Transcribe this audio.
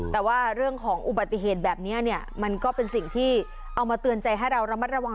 แต่ว่าเรื่องของอุบัติเหตุแบบนี้เนี่ยมันก็เป็นสิ่งที่เอามาเตือนใจให้เราระมัดระวัง